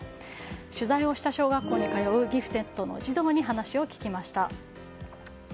取材をした小学校に通うギフテッドの児童に話を聞きました。